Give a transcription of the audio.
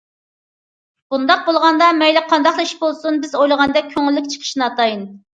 بۇنداق بولغاندا مەيلى قانداقلا ئىش بولسۇن بىز ئويلىغاندەك كۆڭۈللۈك چىقىشى ناتايىن.